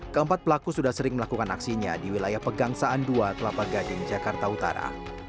keempat pelaku sudah sering melakukan aksinya di wilayah pegangsaan dua kelapa gading jakarta utara